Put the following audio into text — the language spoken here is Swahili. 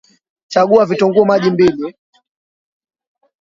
Chagua vitunguu maji mbili